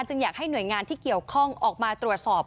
อยากให้หน่วยงานที่เกี่ยวข้องออกมาตรวจสอบ